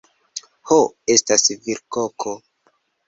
Ho, estas virkoko